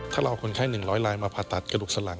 ถ้าเราเอาคนไข้๑๐๐ลายมาผ่าตัดกระดูกสลัง